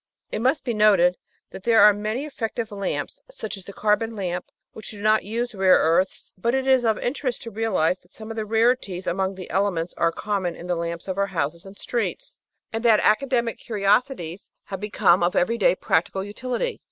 It must be noted that there are many effective lamps, such as the carbon lamp, which do not use rare earths; but it is of interest to realise that some of the rarities among the elements are common in the lamps of our houses and streets, and that academic curiosities have be 738 The Outline of Science come of everyday practical utility.